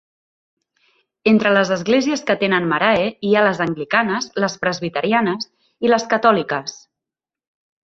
Entre les esglésies que tenen marae hi ha les anglicanes, les presbiterianes i les catòliques.